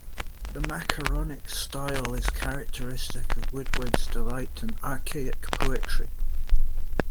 The macaronic style is characteristic of Woodward's delight in archaic poetry.